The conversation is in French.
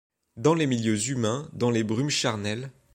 Dans les milieux humains, dans les brumes charnelles